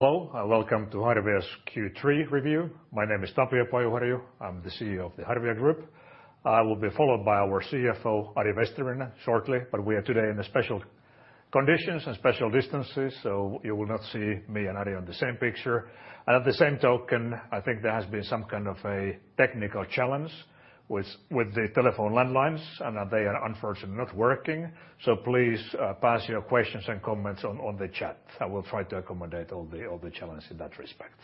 Hello, welcome to Harvia's Q3 review. My name is Tapio Pajuharju. I'm the CEO of the Harvia Group. I will be followed by our CFO, Ari Vesterinen shortly, but we are today in the special conditions and special distances, so you will not see me and Ari on the same picture. At the same token, I think there has been some kind of a technical challenge with the telephone landlines, and they are unfortunately not working. Please, pass your questions and comments on the chat. I will try to accommodate all the challenges in that respect.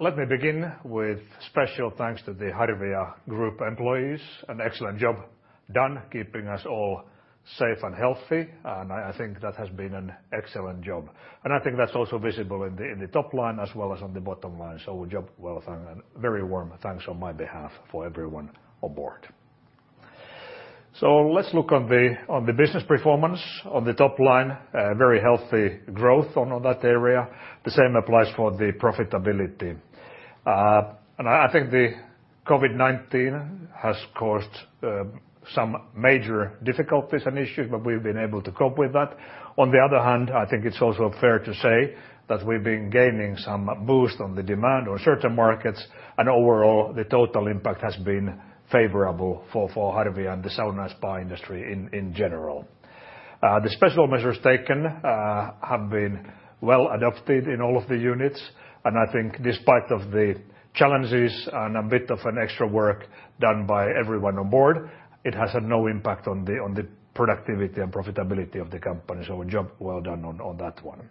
Let me begin with special thanks to the Harvia Group employees. An excellent job done keeping us all safe and healthy, I think that has been an excellent job. I think that's also visible in the top line as well as on the bottom line. Job well done and very warm thanks on my behalf for everyone on board. Let's look on the business performance on the top line, very healthy growth on that area. The same applies for the profitability. I think the COVID-19 has caused some major difficulties and issues, but we've been able to cope with that. On the other hand, I think it's also fair to say that we've been gaining some boost on the demand on certain markets and overall the total impact has been favorable for Harvia and the sauna spa industry in general. The special measures taken have been well-adopted in all of the units, and I think despite of the challenges and a bit of an extra work done by everyone on board, it has had no impact on the productivity and profitability of the company. A job well done on that one.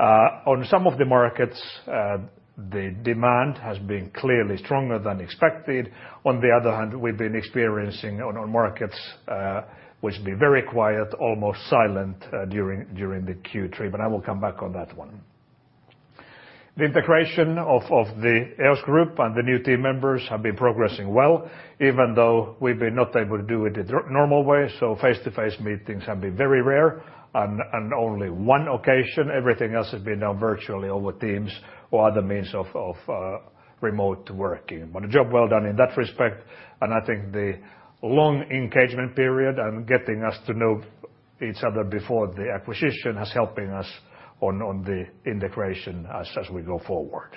On some of the markets, the demand has been clearly stronger than expected. On the other hand, we've been experiencing on markets which have been very quiet, almost silent during the Q3. I will come back on that one. The integration of the EOS Group and the new team members have been progressing well, even though we've been not able to do it the normal way. Face-to-face meetings have been very rare and only one occasion, everything else has been done virtually over Teams or other means of remote working. A job well done in that respect. I think the long engagement period and getting us to know each other before the acquisition has helping us on the integration as we go forward.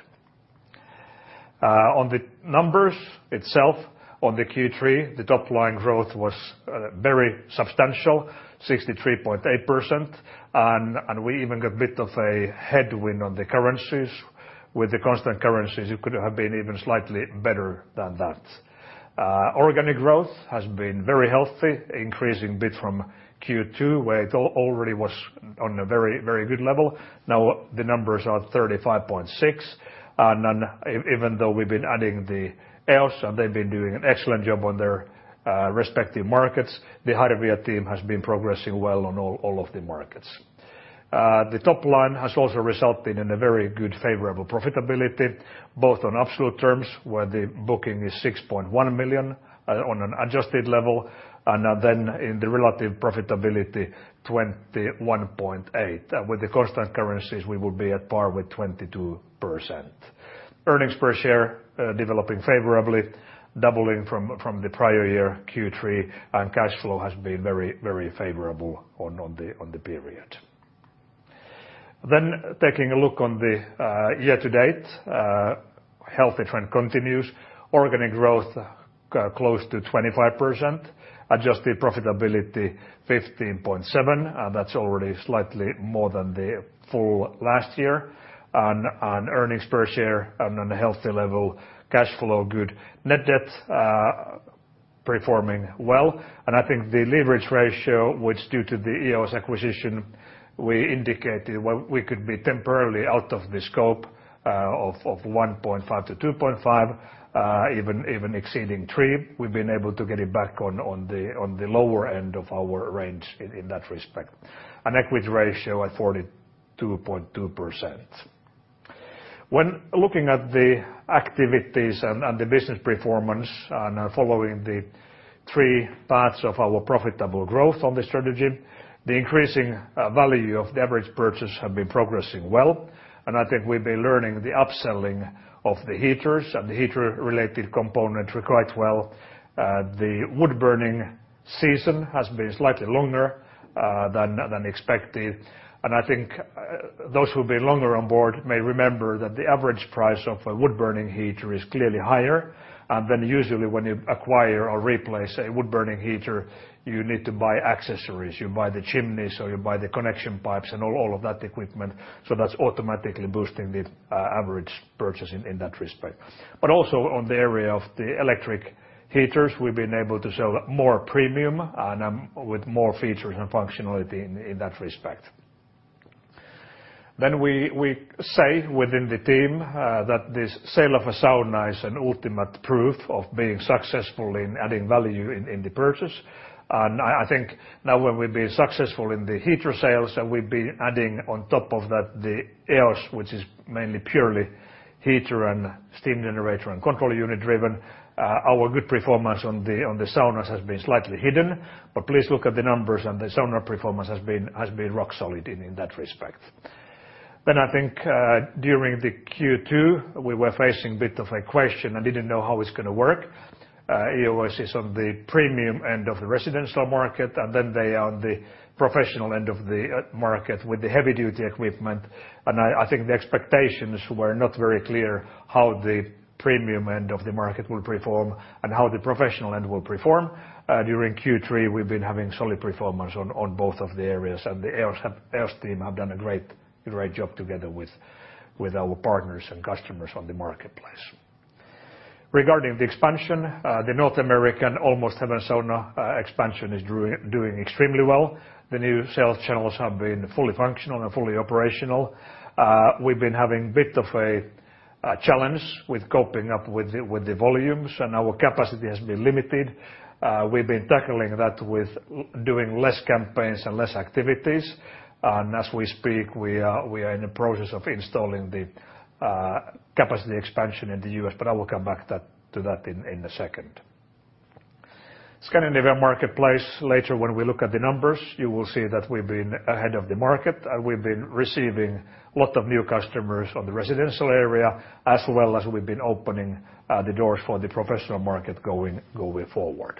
On the numbers itself on Q3, the top line growth was very substantial, 63.8%. We even got a bit of a headwind on the currencies. With the constant currencies, it could have been even slightly better than that. Organic growth has been very healthy, increasing bit from Q2, where it already was on a very good level. Now the numbers are 35.6%. Even though we've been adding the EOS and they've been doing an excellent job on their respective markets, the Harvia team has been progressing well on all of the markets. The top line has also resulted in a very good favorable profitability, both on absolute terms where the booking is 6.1 million on an adjusted level. Then in the relative profitability, 21.8%. With the constant currencies, we will be at par with 22%. Earnings per share, developing favorably, doubling from the prior year Q3 and cash flow has been very favorable on the period. Taking a look on the year-to-date, healthy trend continues. Organic growth close to 25%. Adjusted profitability 15.7%. That's already slightly more than the full last year. Earnings per share on a healthy level, cash flow good. Net debt, performing well. I think the leverage ratio, which due to the EOS acquisition, we indicated we could be temporarily out of the scope of 1.5-2.5 even exceeding three. We've been able to get it back on the lower end of our range in that respect. Equity ratio at 42.2%. When looking at the activities and the business performance and following the three paths of our profitable growth on the strategy, the increasing value of the average purchase have been progressing well. I think we've been learning the upselling of the heaters and the heater-related components required well. The wood-burning season has been slightly longer than expected. I think those who've been longer on board may remember that the average price of a wood-burning heater is clearly higher. Usually when you acquire or replace a wood-burning heater, you need to buy accessories, you buy the chimneys, or you buy the connection pipes and all of that equipment. That's automatically boosting the average purchasing in that respect. Also on the area of the electric heaters, we've been able to sell more premium and with more features and functionality in that respect. We say within the team that this sale of a sauna is an ultimate proof of being successful in adding value in the purchase. I think now when we've been successful in the heater sales and we've been adding on top of that the EOS, which is mainly purely heater and steam generator and control unit-driven, our good performance on the saunas has been slightly hidden. Please look at the numbers and the sauna performance has been rock solid in that respect. I think, during the Q2, we were facing a bit of a question and didn't know how it's going to work. EOS is on the premium end of the residential market, and then they are on the professional end of the market with the heavy-duty equipment. I think the expectations were not very clear how the premium end of the market will perform and how the professional end will perform. During Q3, we've been having solid performance on both of the areas, and the sales team have done a great job together with our partners and customers on the marketplace. Regarding the expansion, the North American Almost Heaven Saunas expansion is doing extremely well. The new sales channels have been fully functional and fully operational. We've been having a bit of a challenge with coping up with the volumes, and our capacity has been limited. We've been tackling that with doing less campaigns and less activities. As we speak, we are in the process of installing the capacity expansion in the U.S., but I will come back to that in a second. Scandinavia marketplace, later when we look at the numbers, you will see that we've been ahead of the market, and we've been receiving a lot of new customers on the residential area, as well as we've been opening the doors for the professional market going forward.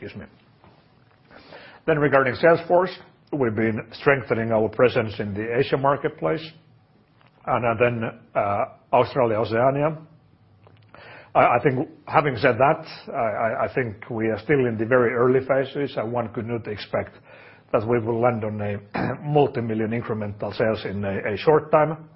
Excuse me. Regarding sales force, we've been strengthening our presence in the Asia marketplace and Australia, Oceania. Having said that, I think we are still in the very early phases, and one could not expect that we will land on a multimillion incremental sales in a short time.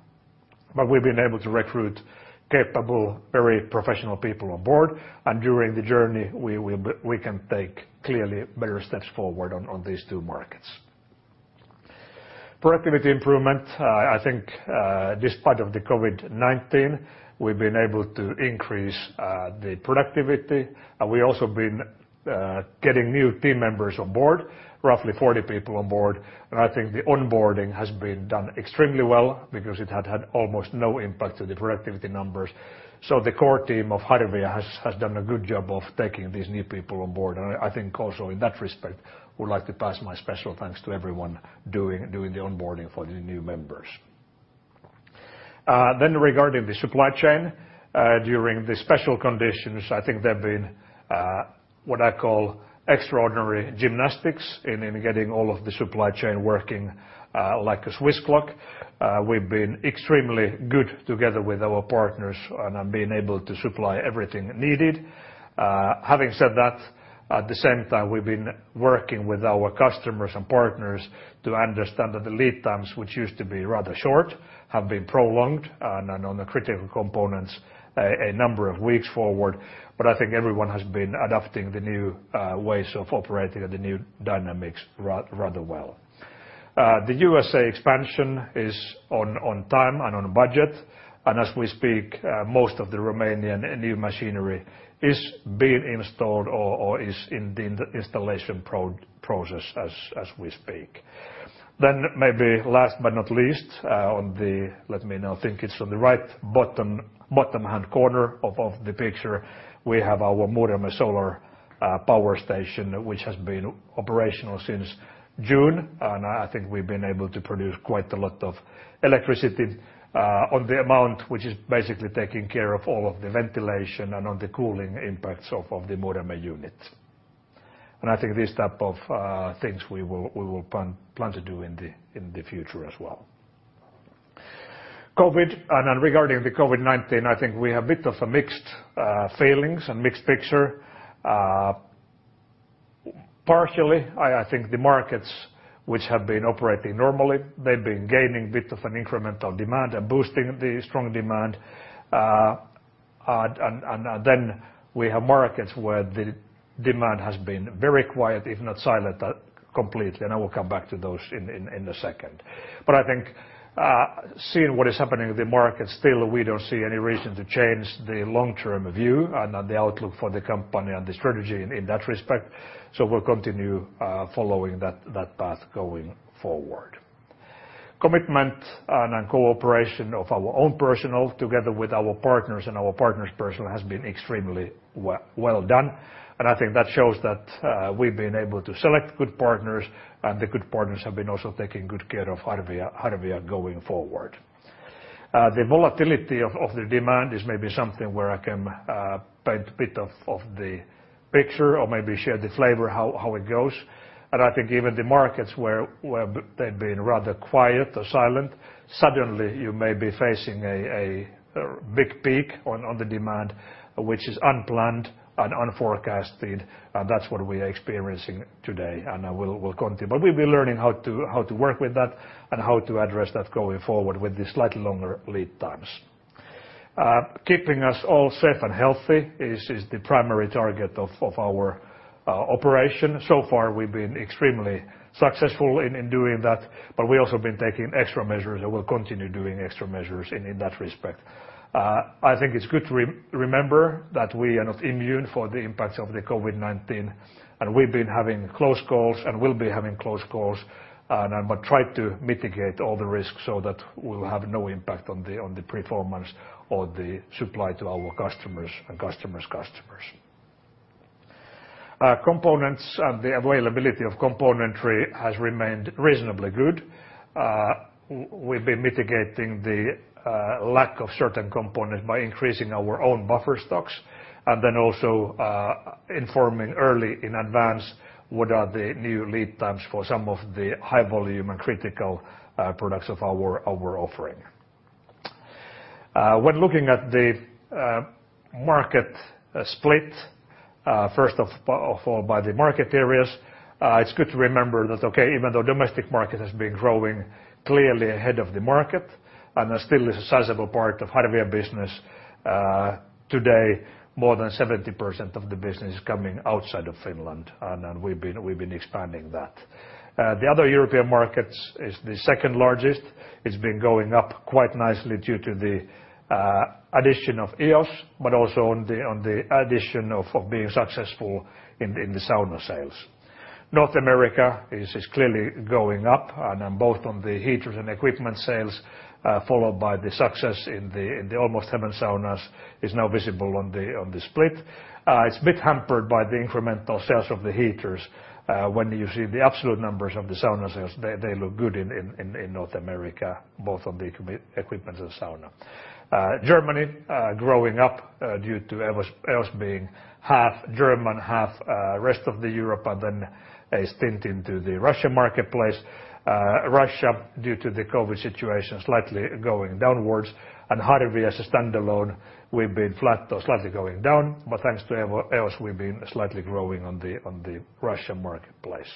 We've been able to recruit capable, very professional people on board, and during the journey, we can take clearly better steps forward on these two markets. Productivity improvement, I think despite of the COVID-19, we've been able to increase the productivity. We've also been getting new team members on board, roughly 40 people on board. I think the onboarding has been done extremely well, because it had almost no impact to the productivity numbers. The core team of Harvia has done a good job of taking these new people on board. I think also in that respect, would like to pass my special thanks to everyone doing the onboarding for the new members. Regarding the supply chain, during the special conditions, I think there have been what I call extraordinary gymnastics in getting all of the supply chain working like a Swiss clock. We've been extremely good together with our partners and have been able to supply everything needed. Having said that, at the same time, we've been working with our customers and partners to understand that the lead times, which used to be rather short, have been prolonged, and on the critical components, a number of weeks forward. I think everyone has been adapting the new ways of operating and the new dynamics rather well. The U.S. expansion is on time and on budget. As we speak, most of the Romanian new machinery is being installed or is in the installation process as we speak. Maybe last but not least, let me now think, it's on the right bottom hand corner of the picture, we have our Muurame solar power station, which has been operational since June, and I think we've been able to produce quite a lot of electricity on the amount, which is basically taking care of all of the ventilation and on the cooling impacts of the Muurame unit. I think this type of things we will plan to do in the future as well. Regarding the COVID-19, I think we have bit of a mixed feelings and mixed picture. Partially, I think the markets which have been operating normally, they've been gaining bit of an incremental demand and boosting the strong demand. We have markets where the demand has been very quiet, if not silent completely, and I will come back to those in a second. I think seeing what is happening in the market still, we don't see any reason to change the long-term view and the outlook for the company and the strategy in that respect. We'll continue following that path going forward. Commitment and cooperation of our own personnel together with our partners and our partners' personnel has been extremely well done, and I think that shows that we've been able to select good partners, and the good partners have been also taking good care of Harvia going forward. The volatility of the demand is maybe something where I can paint a bit of the picture or maybe share the flavor how it goes. I think even the markets where they've been rather quiet or silent, suddenly you may be facing a big peak on the demand, which is unplanned and unforecasted, and that's what we are experiencing today, and will continue. We'll be learning how to work with that and how to address that going forward with the slightly longer lead times. Keeping us all safe and healthy is the primary target of our operation. So far, we've been extremely successful in doing that, but we've also been taking extra measures and will continue doing extra measures in that respect. I think it's good to remember that we are not immune for the impacts of the COVID-19, we've been having close calls and will be having close calls and try to mitigate all the risks so that we'll have no impact on the performance or the supply to our customers and customers' customers. Components and the availability of componentry has remained reasonably good. We've been mitigating the lack of certain components by increasing our own buffer stocks also informing early in advance what are the new lead times for some of the high volume and critical products of our offering. When looking at the market split, first of all by the market areas, it's good to remember that even though domestic market has been growing clearly ahead of the market and is still a sizable part of Harvia business, today more than 70% of the business is coming outside of Finland and we've been expanding that. The other European markets is the second largest. It's been going up quite nicely due to the addition of EOS, but also on the addition of being successful in the sauna sales. North America is clearly going up both on the heaters and equipment sales, followed by the success in the Almost Heaven Saunas is now visible on the split. It's a bit hampered by the incremental sales of the heaters. When you see the absolute numbers of the sauna sales, they look good in North America, both on the equipment and sauna. Germany, growing up due to EOS being half German, half rest of the Europe and then a stint into the Russia marketplace. Russia, due to the COVID situation, slightly going downwards. Harvia as a standalone, we've been flat or slightly going down, but thanks to EOS we've been slightly growing on the Russian marketplace.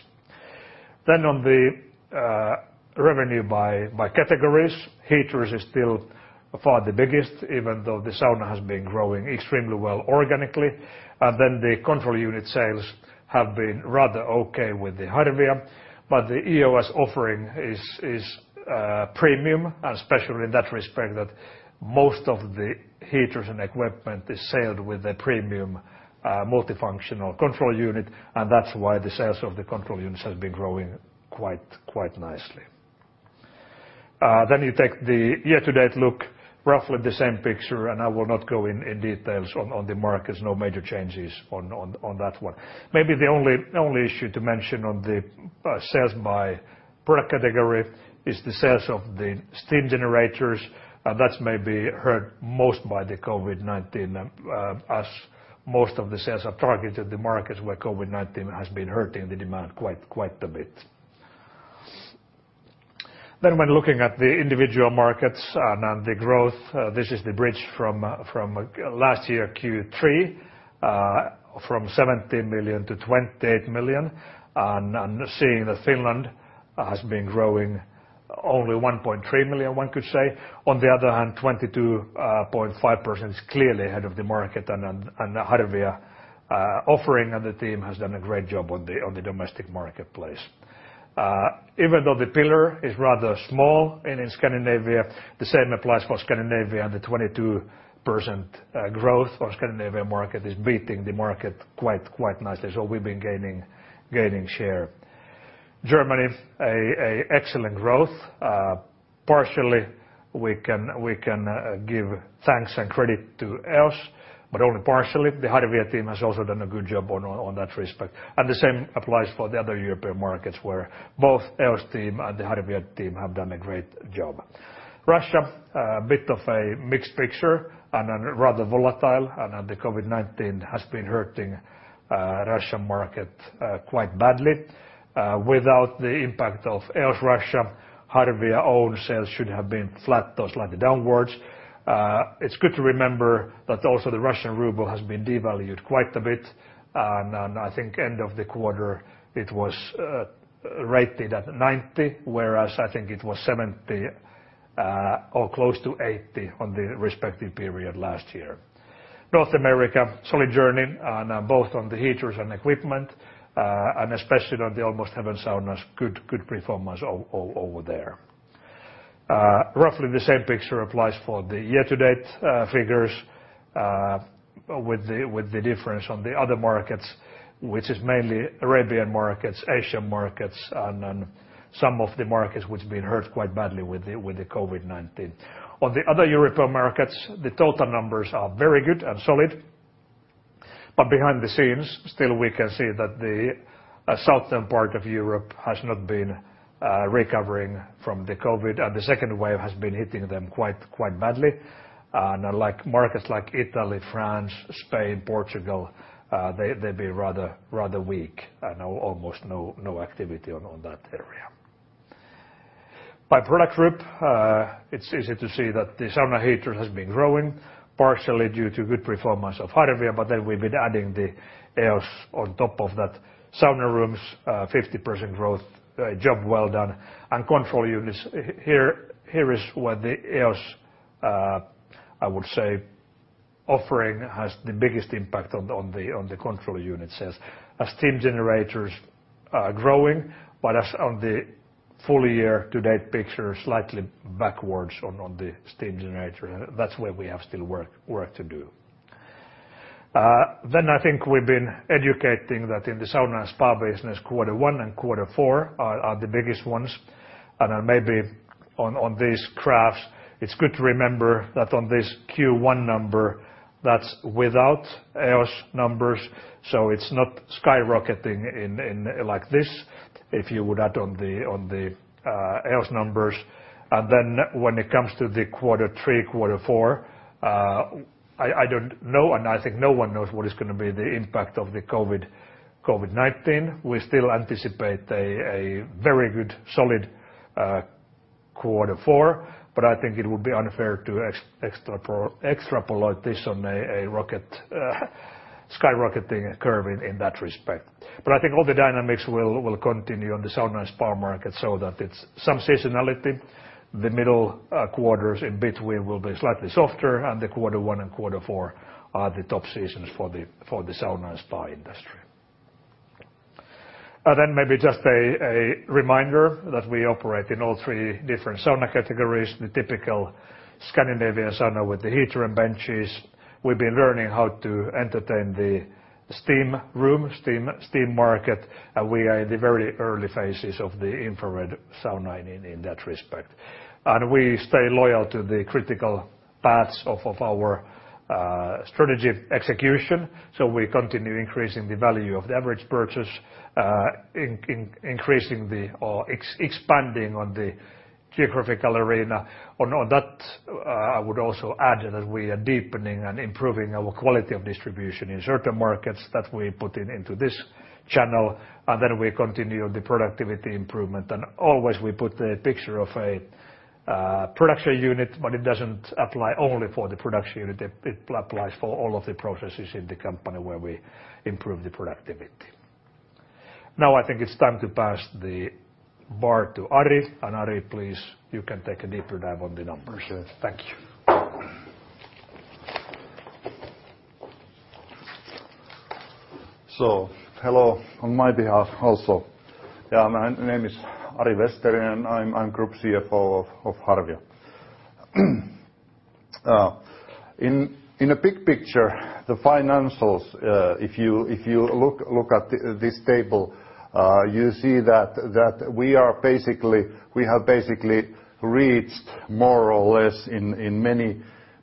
On the revenue by categories, heaters is still far the biggest, even though the sauna has been growing extremely well organically. The control unit sales have been rather okay with the Harvia, but the EOS offering is premium and especially in that respect that most of the heaters and equipment is sold with a premium multifunctional control unit, and that's why the sales of the control units has been growing quite nicely. You take the year-to-date look, roughly the same picture, and I will not go in details on the markets. No major changes on that one. Maybe the only issue to mention on the sales by product category is the sales of the steam generators. That's maybe hurt most by the COVID-19, as most of the sales are targeted, the markets where COVID-19 has been hurting the demand quite a bit. When looking at the individual markets and the growth, this is the bridge from last year, Q3, from 17 million to 28 million. Seeing that Finland has been growing only 1.3 million, one could say. On the other hand, 22.5% is clearly ahead of the market and the Harvia offering and the team has done a great job on the domestic marketplace. Even though the pillar is rather small and in Scandinavia, the same applies for Scandinavia and the 22% growth of Scandinavia market is beating the market quite nicely. We've been gaining share. Germany, a excellent growth. Partially, we can give thanks and credit to EOS, but only partially. The Harvia team has also done a good job on that respect. The same applies for the other European markets where both EOS team and the Harvia team have done a great job. Russia, a bit of a mixed picture and rather volatile, and the COVID-19 has been hurting Russian market quite badly. Without the impact of EOS Russia, Harvia own sales should have been flat or slightly downwards. It's good to remember that also the Russian ruble has been devalued quite a bit, and I think end of the quarter it was rated at 90, whereas I think it was 70 or close to 80 on the respective period last year. North America, solid journey both on the heaters and equipment, and especially on the Almost Heaven Saunas, good performance over there. Roughly the same picture applies for the year-to-date figures with the difference on the other markets, which is mainly Arabian markets, Asian markets, and then some of the markets which have been hurt quite badly with the COVID-19. On the other European markets, the total numbers are very good and solid, but behind the scenes still we can see that the southern part of Europe has not been recovering from the COVID, and the second wave has been hitting them quite badly. Markets like Italy, France, Spain, Portugal, they've been rather weak and almost no activity on that area. By product group, it's easy to see that the sauna heater has been growing, partially due to good performance of Harvia, but then we've been adding the EOS on top of that. Sauna rooms, 50% growth, job well done. Control units, here is where the EOS, I would say, offering has the biggest impact on the control unit sales. Steam generators are growing, but as on the full year-to-date picture, slightly backwards on the steam generator. That's where we have still work to do. I think we've been educating that in the sauna and spa business, quarter one and quarter four are the biggest ones. Maybe on these graphs, it's good to remember that on this Q1 number, that's without EOS numbers, so it's not skyrocketing like this if you would add on the EOS numbers. When it comes to the quarter three, quarter four, I don't know and I think no one knows what is going to be the impact of the COVID-19. We still anticipate a very good solid quarter four, I think it would be unfair to extrapolate this on a skyrocketing curve in that respect. I think all the dynamics will continue on the sauna and spa market so that it's some seasonality. The middle quarters in between will be slightly softer and the quarter one and quarter four are the top seasons for the sauna and spa industry. Maybe just a reminder that we operate in all three different sauna categories, the typical Scandinavian sauna with the heater and benches. We've been learning how to entertain the steam room, steam market, and we are in the very early phases of the infrared sauna in that respect. We stay loyal to the critical paths of our strategy execution. We continue increasing the value of the average purchase increasing or expanding on the geographical arena. On that, I would also add that we are deepening and improving our quality of distribution in certain markets that we put into this channel, and then we continue the productivity improvement. Always we put a picture of a production unit, but it doesn't apply only for the production unit, it applies for all of the processes in the company where we improve the productivity. Now I think it's time to pass the bar to Ari. Ari, please, you can take a deeper dive on the numbers. Thank you. Hello on my behalf also. My name is Ari Vesterinen. I'm Group CFO of Harvia. In the big picture, the financials, if you look at this table you see that we have basically reached more or less in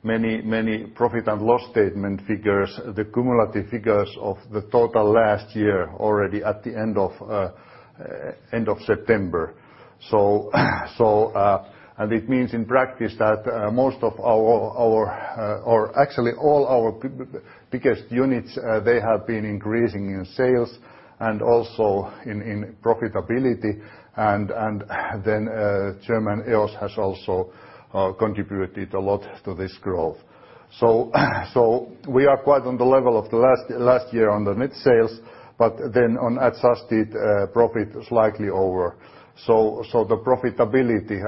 many profit and loss statement figures, the cumulative figures of the total last year already at the end of September. it means in practice that most of our or actually all our biggest units they have been increasing in sales and also in profitability and then German EOS has also contributed a lot to this growth. We are quite on the level of the last year on the mid-sales, but then on adjusted profit slightly over. The profitability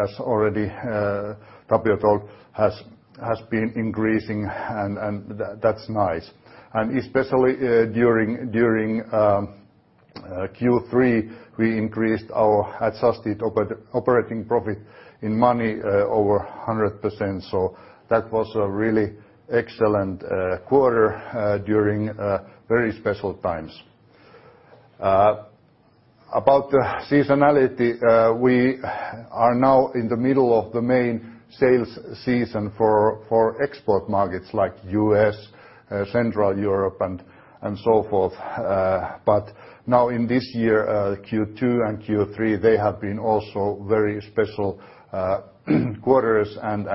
has been increasing and that's nice. Especially during Q3, we increased our adjusted operating profit in money over 100%. That was a really excellent quarter during very special times. About the seasonality, we are now in the middle of the main sales season for export markets like U.S., Central Europe and so forth. Now in this year, Q2 and Q3, they have been also very special quarters and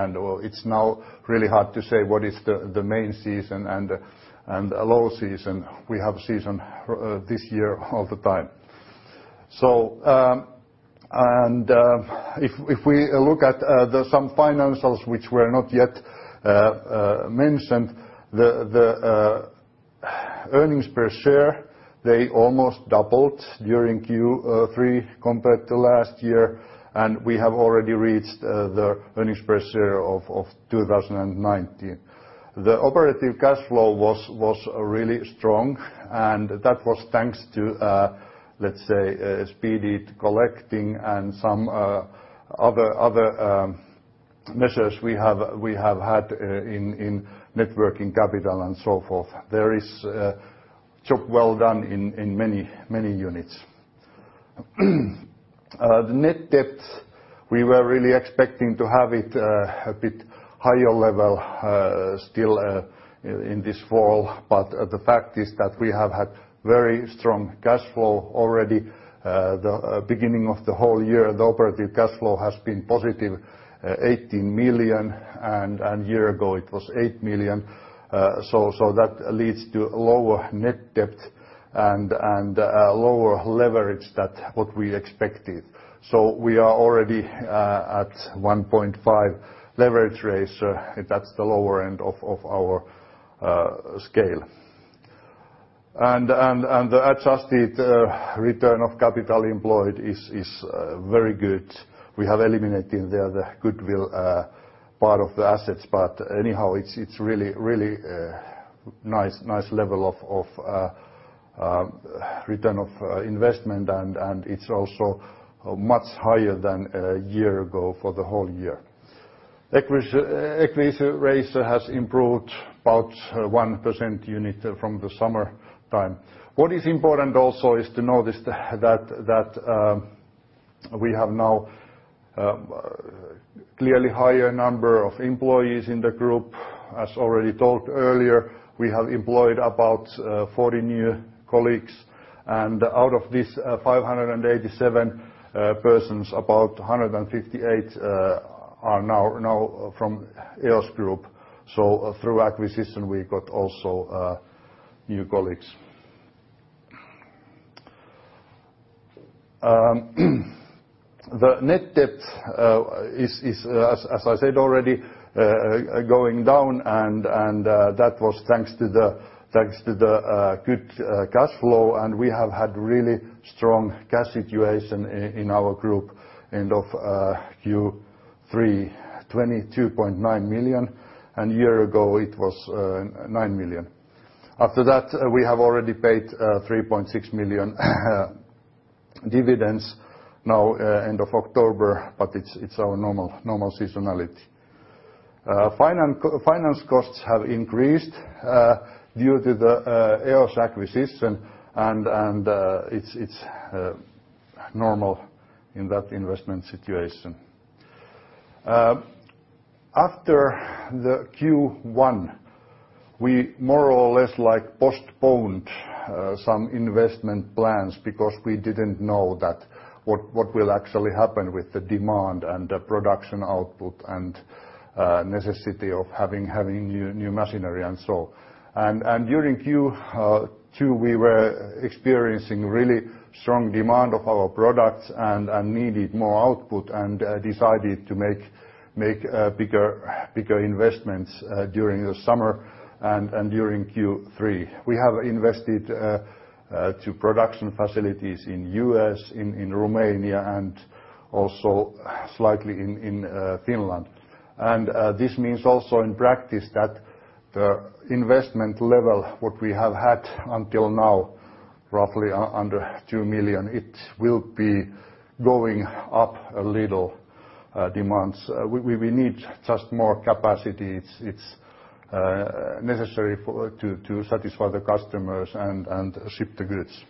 it's now really hard to say what is the main season and a low season. We have season this year all the time. If we look at some financials which were not yet mentioned, the earnings per share, they almost doubled during Q3 compared to last year, and we have already reached the earnings per share of 2019. The operative cash flow was really strong, and that was thanks to, let's say, speeded collecting and some other measures we have had in networking capital and so forth. There is job well-done in many units. The net debt, we were really expecting to have it a bit higher level still in this fall, but the fact is that we have had very strong cash flow already. The beginning of the whole year, the operative cash flow has been +18 million, and a year ago it was 8 million. That leads to lower net debt and lower leverage that what we expected. We are already at 1.5 leverage rates. That's the lower end of our scale. The adjusted return of capital employed is very good. We have eliminated the goodwill part of the assets, but anyhow it's really nice level of return on investment and it's also much higher than a year ago for the whole year. Equity ratio has improved about 1% unit from the summertime. What is important also is to notice that we have now clearly higher number of employees in the group. As already told earlier, we have employed about 40 new colleagues, and out of these 587 persons, about 158 are now from EOS Group. Through acquisition, we got also new colleagues. The net debt is, as I said already, going down and that was thanks to the good cash flow, and we have had really strong cash situation in our group end of Q3, 22.9 million, and year ago it was 9 million. After that, we have already paid 3.6 million dividends now end of October, but it's our normal seasonality. Finance costs have increased due to the EOS Group acquisition, and it's normal in that investment situation. After the Q1, we more or less postponed some investment plans because we didn't know that what will actually happen with the demand and the production output and necessity of having new machinery, and so. During Q2, we were experiencing really strong demand of our products and needed more output and decided to make bigger investments during the summer and during Q3. We have invested to production facilities in U.S., in Romania, and also slightly in Finland. This means also in practice that the investment level, what we have had until now, roughly under 2 million, it will be going up a little demands. We need just more capacity. It's necessary to satisfy the customers and ship the goods.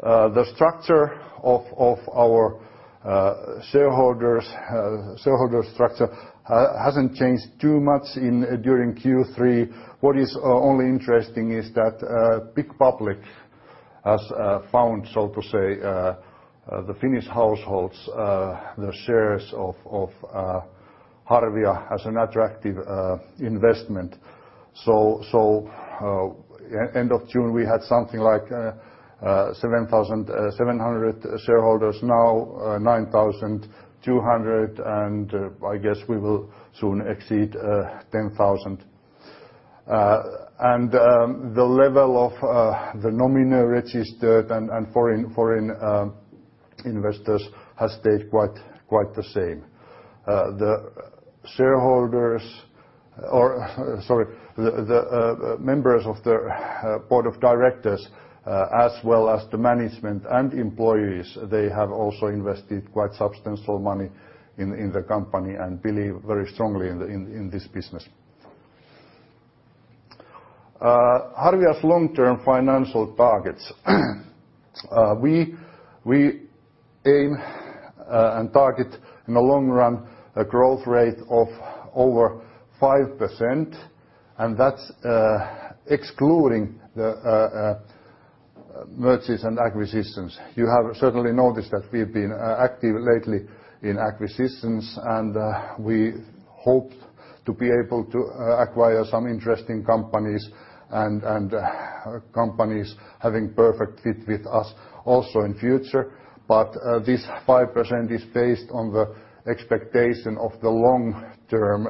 The structure of our shareholders hasn't changed too much during Q3. What is only interesting is that big public has found, so to say, the Finnish households, the shares of Harvia as an attractive investment. End of June, we had something like 7,700 shareholders, now 9,200, and I guess we will soon exceed 10,000. The level of the nominal registered and foreign investors has stayed quite the same. The shareholders or, sorry, the members of the board of directors as well as the management and employees, they have also invested quite substantial money in the company and believe very strongly in this business. Harvia's long-term financial targets. We aim and target in the long run a growth rate of over 5%, and that's excluding the mergers and acquisitions. You have certainly noticed that we've been active lately in acquisitions, and we hope to be able to acquire some interesting companies and companies having perfect fit with us also in future. This 5% is based on the expectation of the long-term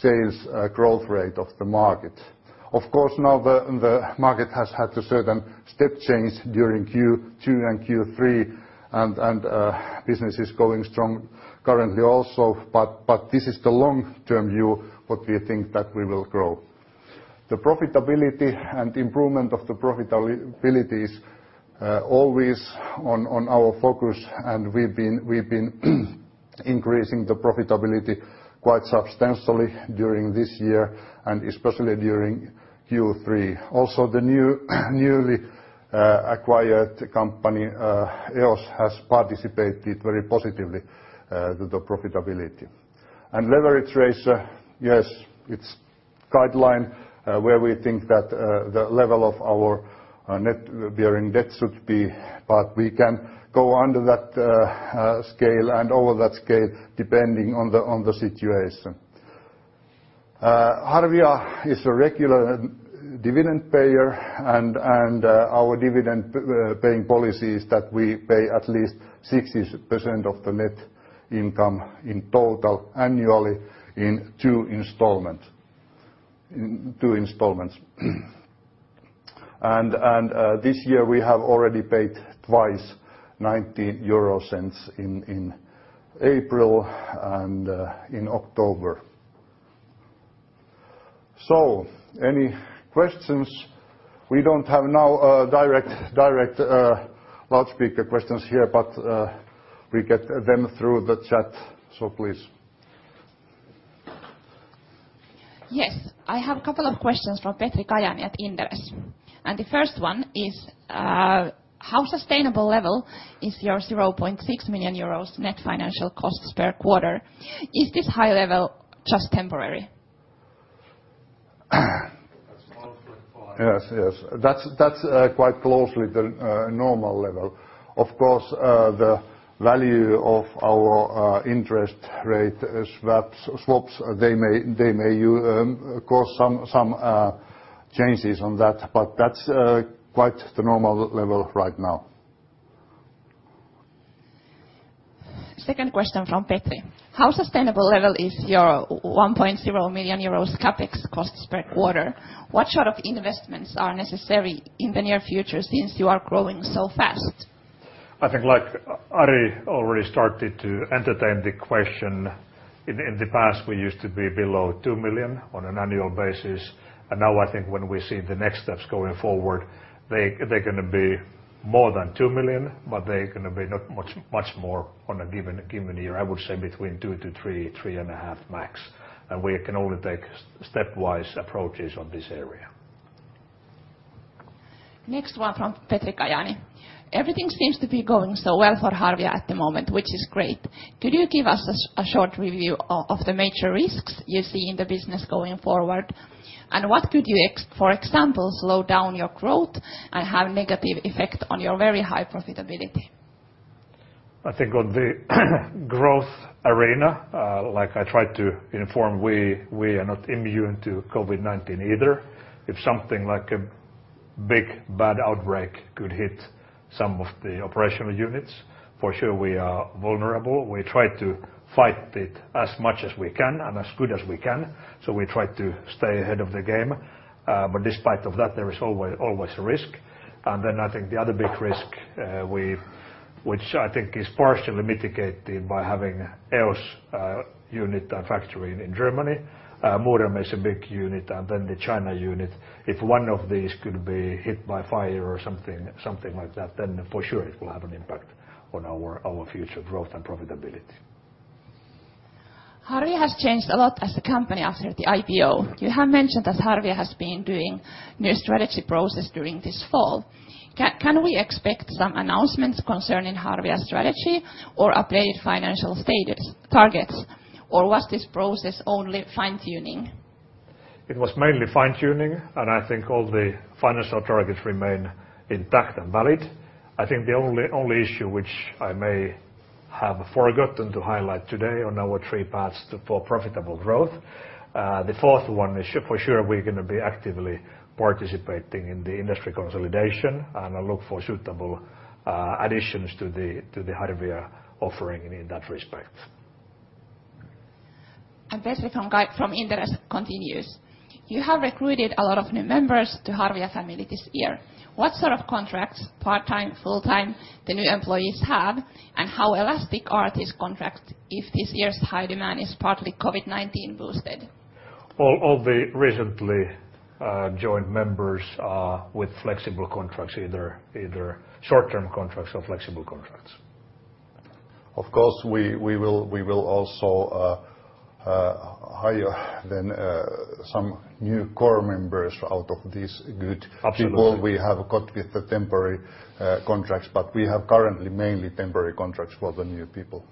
sales growth rate of the market. Of course, now the market has had a certain step change during Q2 and Q3 and business is going strong currently also, but this is the long-term view what we think that we will grow. The profitability and improvement of the profitability is always on our focus, and we've been increasing the profitability quite substantially during this year and especially during Q3. Also, the newly acquired company, EOS, has participated very positively to the profitability. Leverage ratio, yes, it's guideline where we think that the level of our net gearing debt should be, but we can go under that scale and over that scale, depending on the situation. Harvia is a regular dividend payer and our dividend paying policy is that we pay at least 60% of the net income in total annually in two installments. This year we have already paid twice 0.19 in April and in October. Any questions? We don't have now direct loudspeaker questions here, but we get them through the chat. Please. Yes, I have a couple of questions from Petri Kajaani at Inderes. The first one is, how sustainable level is your 0.6 million euros net financial costs per quarter? Is this high level just temporary? Yes. Yes. That's quite closely the normal level. Of course, the value of our interest rate swaps, they may cause some changes on that, but that's quite the normal level right now. Second question from Petri. How sustainable level is your 1.0 million euros CapEx costs per quarter? What sort of investments are necessary in the near future since you are growing so fast? I think like Ari already started to entertain the question, in the past, we used to be below 2 million on an annual basis, and now I think when we see the next steps going forward, they're going to be more than 2 million, but they're going to be not much more on a given year. I would say between 2 million-3 million, 3.5 million max. We can only take stepwise approaches on this area. Next one from Petri Kajaani. Everything seems to be going so well for Harvia at the moment, which is great. Could you give us a short review of the major risks you see in the business going forward? What could you, for example, slow down your growth and have negative effect on your very high profitability? I think on the growth arena, like I tried to inform, we are not immune to COVID-19 either. If something like a big, bad outbreak could hit some of the operational units, for sure we are vulnerable. We try to fight it as much as we can and as good as we can. We try to stay ahead of the game. Despite of that, there is always risk. I think the other big risk which I think is partially mitigated by having EOS unit and factory in Germany, Muurame is a big unit, and then the China unit. If one of these could be hit by fire or something like that, for sure it will have an impact on our future growth and profitability. Harvia has changed a lot as a company after the IPO. You have mentioned that Harvia has been doing new strategy process during this fall. Can we expect some announcements concerning Harvia's strategy or updated financial targets? Was this process only fine-tuning? It was mainly fine-tuning. I think all the financial targets remain intact and valid. I think the only issue which I may have forgotten to highlight today on our three paths for profitable growth, the fourth one is for sure, we're going to be actively participating in the industry consolidation and look for suitable additions to the Harvia offering in that respect. Petri from Inderes continues. You have recruited a lot of new members to Harvia family this year. What sort of contracts, part-time, full-time, the new employees have, and how elastic are these contracts if this year's high demand is partly COVID-19 boosted? All the recently joined members are with flexible contracts, either short-term contracts or flexible contracts. Of course, we will also hire then some new core members out of these- Absolutely.... people we have got with the temporary contracts, but we have currently mainly temporary contracts for the new people.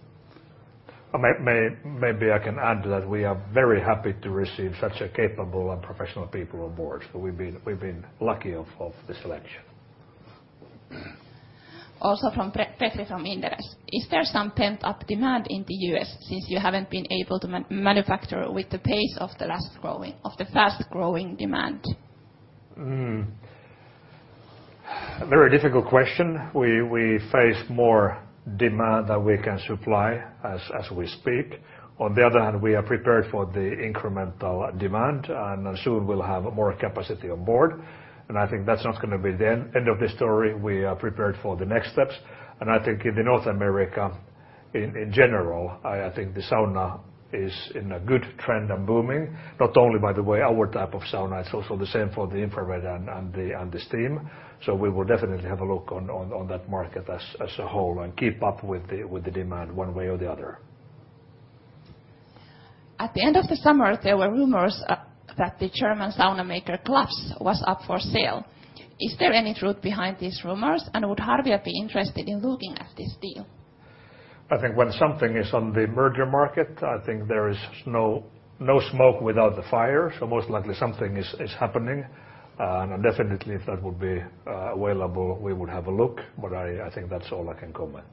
Maybe I can add to that. We are very happy to receive such a capable and professional people on board. We've been lucky of the selection. Also from Petri from Inderes. Is there some pent-up demand in the U.S. since you haven't been able to manufacture with the pace of the fast-growing demand? Very difficult question. We face more demand than we can supply as we speak. On the other hand, we are prepared for the incremental demand, and soon we'll have more capacity on board. I think that's not going to be the end of the story. We are prepared for the next steps. I think in North America, in general, I think the sauna is in a good trend and booming. Not only, by the way, our type of sauna, it's also the same for the infrared and the steam. We will definitely have a look on that market as a whole and keep up with the demand one way or the other. At the end of the summer, there were rumors that the German sauna maker Klafs was up for sale. Is there any truth behind these rumors, and would Harvia be interested in looking at this deal? I think when something is on the merger market, I think there is no smoke without the fire. Most likely something is happening. Definitely if that would be available, we would have a look, but I think that's all I can comment.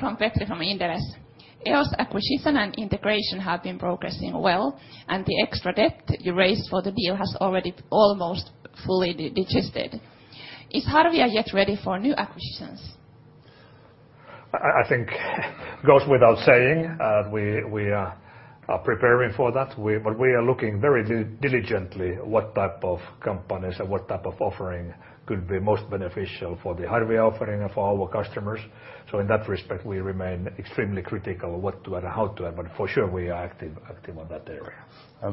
From Petri, from Inderes. EOS acquisition and integration have been progressing well, and the extra debt you raised for the deal has already almost fully digested. Is Harvia yet ready for new acquisitions? I think it goes without saying we are preparing for that. We are looking very diligently at what type of companies and what type of offering could be most beneficial for the Harvia offering and for our customers. In that respect, we remain extremely critical of what to and how to, but for sure we are active on that area.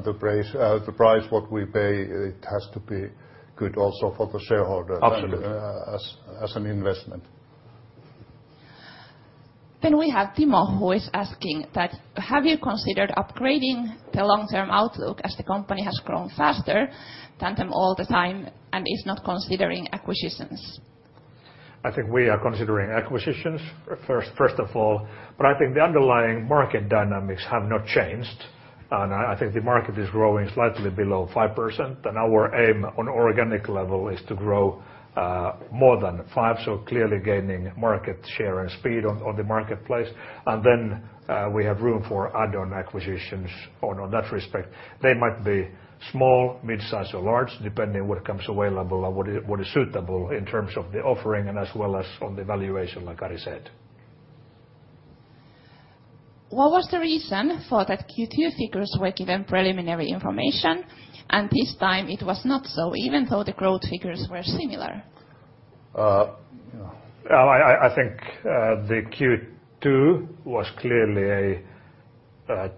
The price, what we pay, it has to be good also for the shareholder- Absolutely.... as an investment. We have Timo who is asking that, have you considered upgrading the long-term outlook as the company has grown faster than them all the time and is not considering acquisitions? I think we are considering acquisitions, first of all. I think the underlying market dynamics have not changed, and I think the market is growing slightly below 5%, and our aim on organic level is to grow more than five, so clearly gaining market share and speed on the marketplace. We have room for add-on acquisitions on that respect. They might be small, midsize or large, depending what comes available and what is suitable in terms of the offering and as well as on the valuation, like Ari said. What was the reason for that Q2 figures were given preliminary information and this time it was not so, even though the growth figures were similar? I think the Q2 was clearly a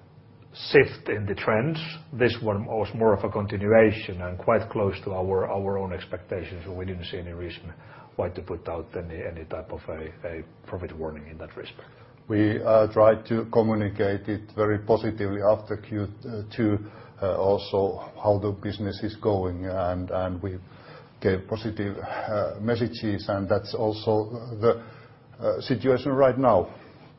shift in the trends. This one was more of a continuation and quite close to our own expectations, and we didn't see any reason why to put out any type of a profit warning in that respect. We tried to communicate it very positively after Q2, also how the business is going and we gave positive messages, and that's also the situation right now.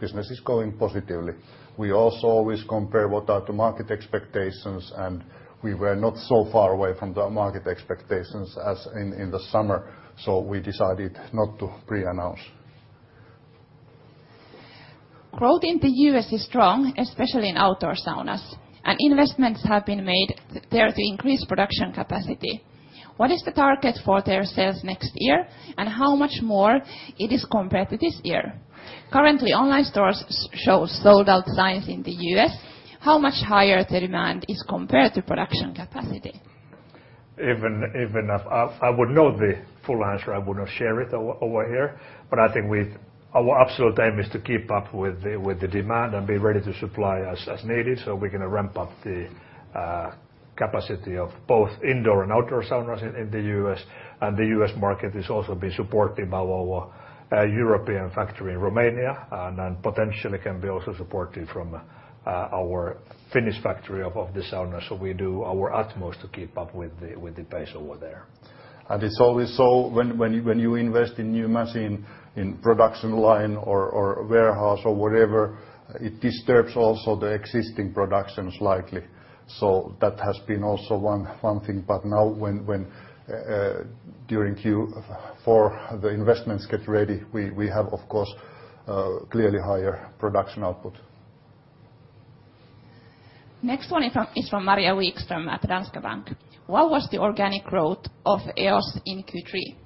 Business is going positively. We also always compare what are the market expectations, and we were not so far away from the market expectations as in the summer. We decided not to pre-announce. Growth in the U.S. is strong, especially in outdoor saunas, and investments have been made there to increase production capacity. What is the target for their sales next year, and how much more it is compared to this year? Currently, online stores show sold out signs in the U.S. How much higher the demand is compared to production capacity? Even if I would know the full answer, I would not share it over here. I think our absolute aim is to keep up with the demand and be ready to supply as needed so we can ramp up the capacity of both indoor and outdoor saunas in the U.S. The U.S. market is also being supported by our European factory in Romania, and then potentially can be also supported from our Finnish factory of the saunas. We do our utmost to keep up with the pace over there. It's always so when you invest in new machine, in production line or warehouse or whatever, it disturbs also the existing production slightly. That has been also one thing. Now during Q4, the investments get ready. We have, of course, clearly higher production output. Next one is from Maria Wikström at Danske Bank. What was the organic growth of EOS in Q3?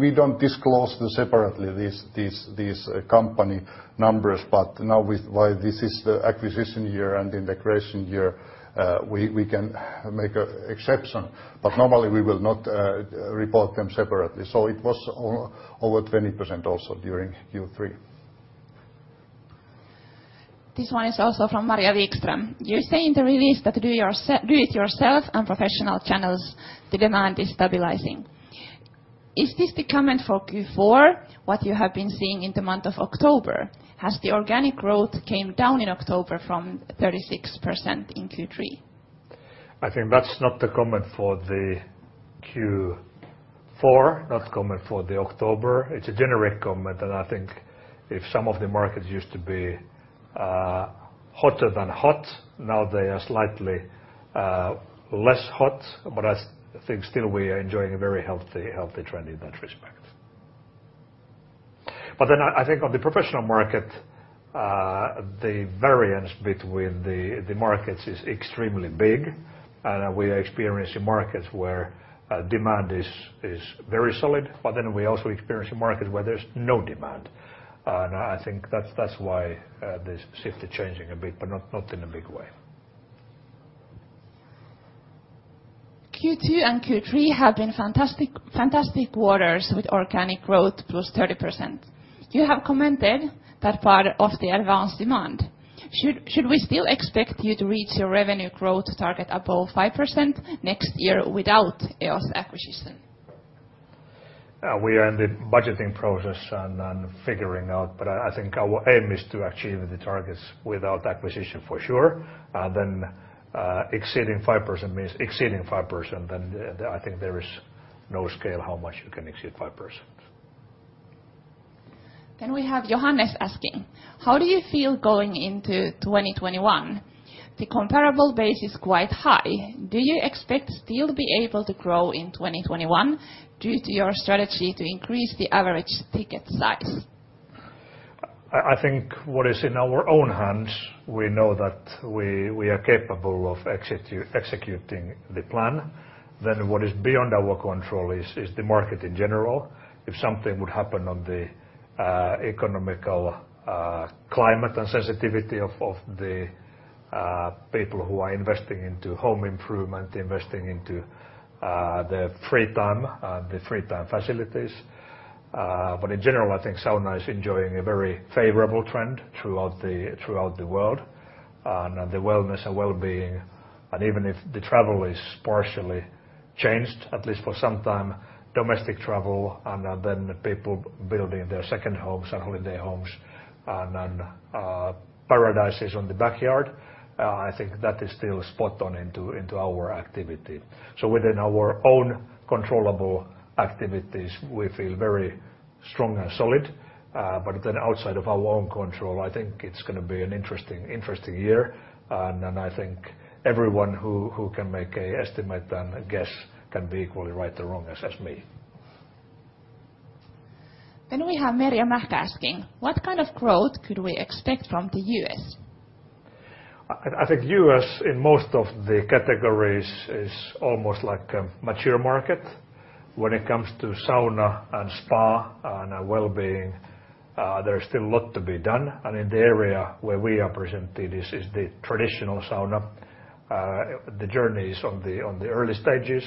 We don't disclose them separately, these company numbers. Now while this is the acquisition year and integration year, we can make exception. Normally we will not report them separately. It was over 20% also during Q3. This one is also from Maria Wikström. You say in the release that do it yourself and professional channels, the demand is stabilizing. Is this the comment for Q4, what you have been seeing in the month of October? Has the organic growth came down in October from 36% in Q3? I think that's not the comment for the Q4, not comment for the October. It's a generic comment, and I think if some of the markets used to be hotter than hot, now they are slightly less hot. I think still we are enjoying a very healthy trend in that respect. I think on the professional market, the variance between the markets is extremely big, and we are experiencing markets where demand is very solid. We also experience a market where there's no demand, and I think that's why this shift is changing a bit, but not in a big way. Q2 and Q3 have been fantastic quarters with organic growth +30%. You have commented that part of the advanced demand. Should we still expect you to reach your revenue growth target above 5% next year without EOS acquisition? We are in the budgeting process and figuring out. I think our aim is to achieve the targets without acquisition for sure. Exceeding 5% means exceeding 5%, and I think there is no scale how much you can exceed 5%. We have Johannes asking, how do you feel going into 2021? The comparable base is quite high. Do you expect to still be able to grow in 2021 due to your strategy to increase the average ticket size? I think what is in our own hands, we know that we are capable of executing the plan. What is beyond our control is the market in general. If something would happen on the economic climate and sensitivity of the people who are investing into home improvement, investing into their free time, and the free time facilities. In general, I think sauna is enjoying a very favorable trend throughout the world and the wellness and wellbeing. Even if the travel is partially changed, at least for some time, domestic travel and the people building their second homes and holiday homes, and paradises on the backyard, I think that is still spot on into our activity. Within our own controllable activities, we feel very strong and solid. Outside of our own control, I think it's going to be an interesting year, and I think everyone who can make an estimate and a guess can be equally right or wrong as me. We have Maria Mah asking, what kind of growth could we expect from the U.S.? I think U.S., in most of the categories, is almost like a mature market. When it comes to sauna and spa and wellbeing, there is still a lot to be done. In the area where we are presenting this is the traditional sauna, the journey is on the early stages.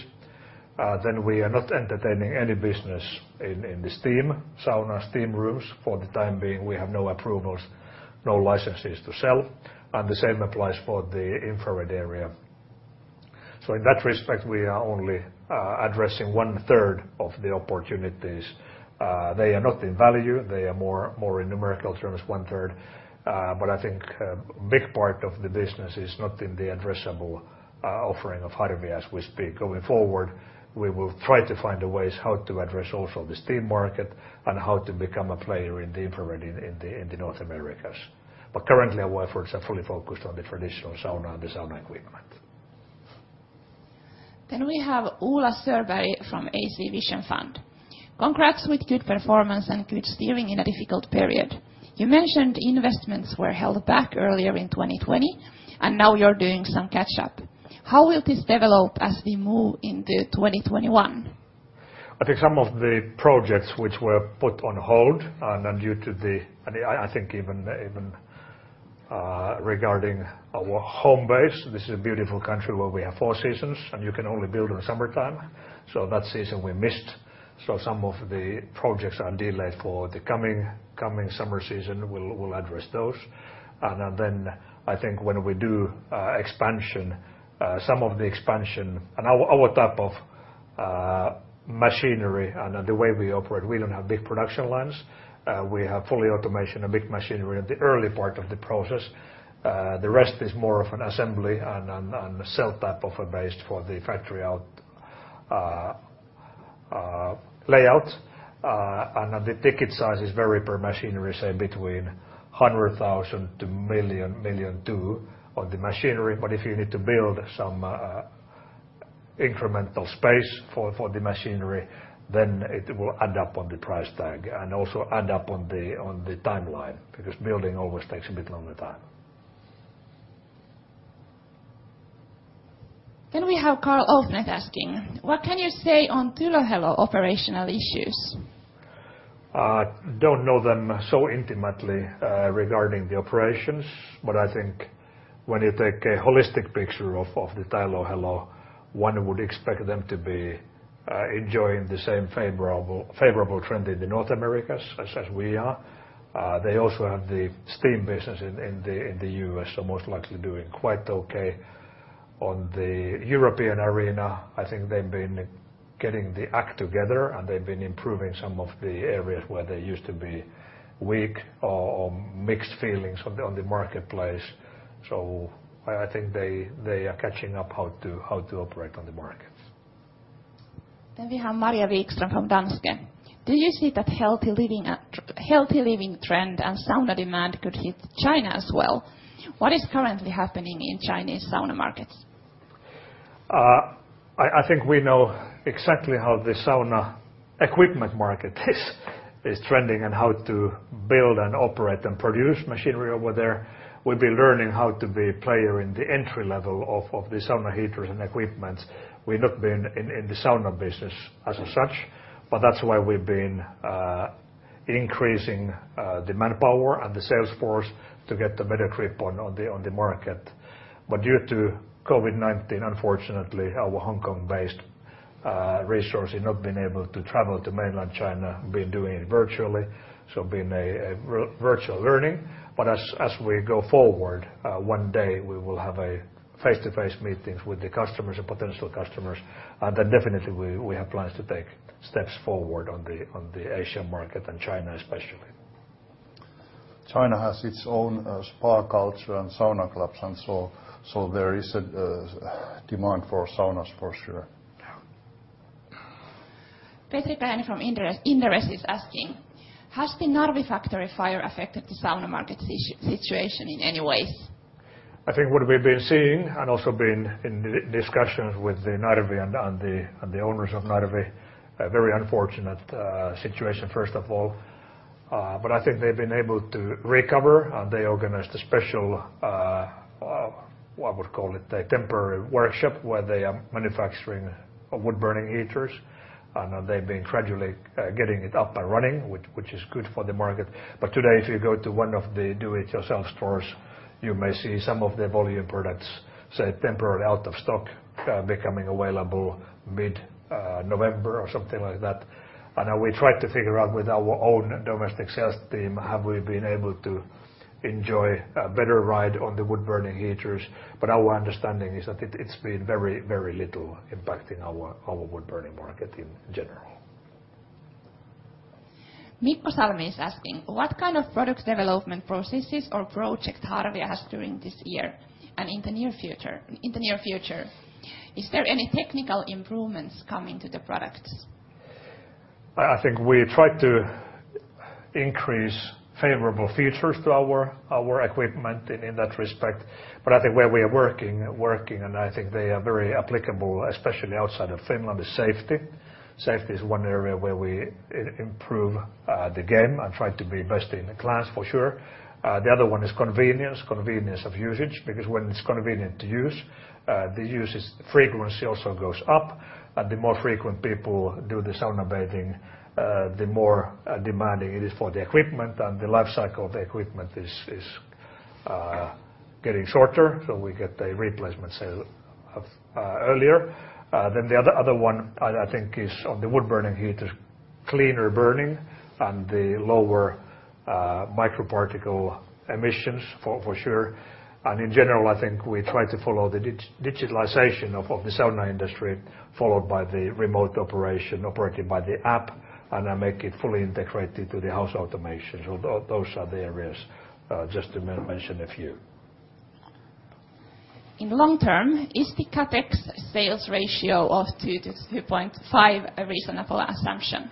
We are not entertaining any business in the steam sauna, steam rooms. For the time being, we have no approvals, no licenses to sell. The same applies for the infrared area. In that respect, we are only addressing one-third of the opportunities. They are not in value, they are more in numerical terms, one-third. I think a big part of the business is not in the addressable offering of Harvia as we speak. Going forward, we will try to find ways how to address also the steam market and how to become a player in the infrared in the North Americas. Currently, our efforts are fully focused on the traditional sauna and the sauna equipment. We have Ola Surberg from AC Vision Fund. Congrats with good performance and good steering in a difficult period. You mentioned investments were held back earlier in 2020, and now you're doing some catch-up. How will this develop as we move into 2021? I think some of the projects which were put on hold and due to the, I think even regarding our home base, this is a beautiful country where we have four seasons, and you can only build in summertime. That season we missed. Some of the projects are delayed for the coming summer season. We'll address those. Then I think when we do expansion, some of the expansion and our type of machinery and the way we operate, we don't have big production lines. We have fully automation and big machinery at the early part of the process. The rest is more of an assembly and a cell type of a base for the factory layout. The ticket size is vary per machinery, say between 100,000-1.2 million on the machinery. If you need to build some incremental space for the machinery, then it will add up on the price tag and also add up on the timeline, because building always takes a bit longer time. We have Carl Öhman asking, what can you say on TylöHelo operational issues? I don't know them so intimately regarding the operations. I think when you take a holistic picture of the TylöHelo, one would expect them to be enjoying the same favorable trend in the North Americas as we are. They also have the steam business in the U.S., so most likely doing quite okay. On the European arena, I think they've been getting their act together, and they've been improving some of the areas where they used to be weak or mixed feelings on the marketplace. I think they are catching up how to operate on the markets. We have Maria Wikström from Danske Bank. Do you see that healthy living trend and sauna demand could hit China as well? What is currently happening in Chinese sauna markets? I think we know exactly how the sauna equipment market is trending and how to build and operate and produce machinery over there. We've been learning how to be a player in the entry-level of the sauna heaters and equipment. We've not been in the sauna business as such, that's why we've been increasing the manpower and the sales force to get a better grip on the market. Due to COVID-19, unfortunately, our Hong Kong-based resource not been able to travel to mainland China, been doing it virtually, so been a virtual learning. As we go forward, one day we will have face-to-face meetings with the customers and potential customers. Definitely we have plans to take steps forward on the Asian market and China, especially. China has its own spa culture and sauna clubs and so there is a demand for saunas for sure. Yeah. Petri Kajaani from Inderes is asking, has the Narvi factory fire affected the sauna market situation in any ways? I think what we've been seeing, and also been in discussions with the Narvi and the owners of Narvi, a very unfortunate situation, first of all. I think they've been able to recover, and they organized a special, what I would call it, a temporary workshop where they are manufacturing wood-burning heaters. They've been gradually getting it up and running, which is good for the market. Today, if you go to one of the do-it-yourself stores, you may see some of the volume products, say, temporarily out of stock, becoming available mid-November or something like that. I know we tried to figure out with our own domestic sales team, have we been able to enjoy a better ride on the wood-burning heaters? Our understanding is that it's been very little impact in our wood-burning market in general. Mikko Salmi is asking, what kind of product development processes or project Harvia has during this year and in the near future? Is there any technical improvements coming to the products? I think we try to increase favorable features to our equipment in that respect. I think where we are working, and I think they are very applicable, especially outside of Finland, is safety. Safety is one area where we improve the game and try to be best in the class for sure. The other one is convenience of usage, because when it's convenient to use, the usage frequency also goes up. The more frequent people do the saunabathing, the more demanding it is for the equipment. The life cycle of the equipment is getting shorter, so we get a replacement sale earlier. The other one I think is on the wood-burning heater, cleaner burning and the lower microparticle emissions, for sure. In general, I think we try to follow the digitalization of the sauna industry, followed by the remote operation operated by the app, and make it fully integrated to the house automation. Those are the areas, just to mention a few. In long term, is the CapEx sales ratio of 2-2.5 a reasonable assumption?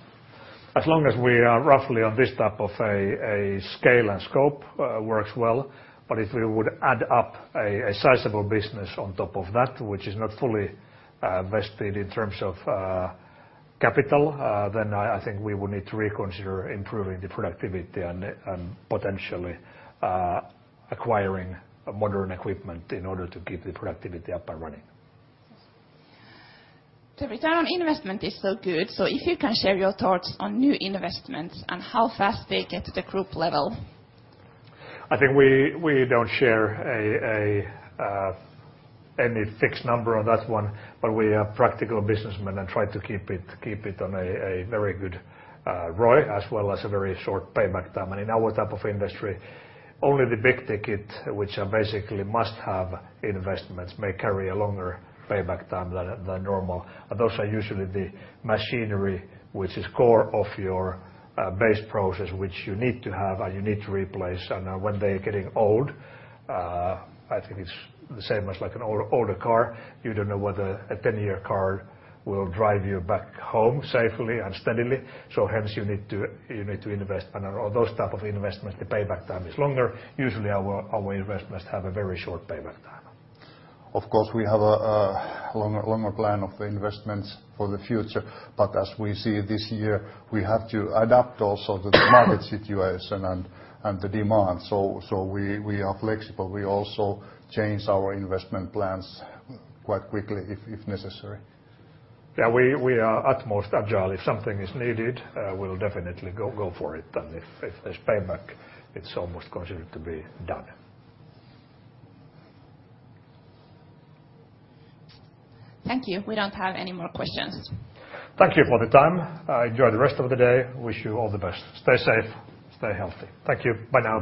As long as we are roughly on this type of a scale and scope, works well. If we would add up a sizable business on top of that, which is not fully vested in terms of capital, then I think we would need to reconsider improving the productivity and potentially acquiring modern equipment in order to keep the productivity up and running. The return on investment is so good. If you can share your thoughts on new investments and how fast they get to the group level. I think we don't share any fixed number on that one, but we are practical businessmen and try to keep it on a very good ROI as well as a very short payback time. In our type of industry, only the big ticket, which are basically must-have investments, may carry a longer payback time than normal. Those are usually the machinery which is core of your base process, which you need to have and you need to replace. When they're getting old, I think it's the same as like an older car. You don't know whether a 10-year car will drive you back home safely and steadily. Hence you need to invest. On those type of investments, the payback time is longer. Usually, our investments have a very short payback time. Of course, we have a longer plan of the investments for the future. As we see this year, we have to adapt also to the market situation and the demand. We are flexible. We also change our investment plans quite quickly if necessary. Yeah, we are utmost agile. If something is needed, we'll definitely go for it. If there's payback, it's almost considered to be done. Thank you. We don't have any more questions. Thank you for the time. Enjoy the rest of the day. Wish you all the best. Stay safe. Stay healthy. Thank you. Bye now.